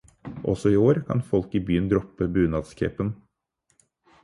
Også i år kan folk i byen droppe bunadscapen.